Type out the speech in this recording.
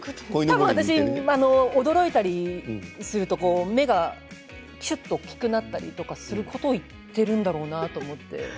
たぶん私、驚いたりすると目がしゅっと大きくなったりすることを言っているんだろうなと思って。